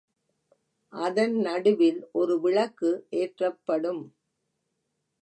அதன் நடுவில் ஒரு விளக்கு ஏற்றப்படும்.